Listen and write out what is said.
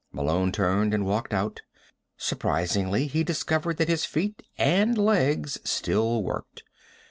Malone turned and walked out. Surprisingly, he discovered that his feet and legs still worked.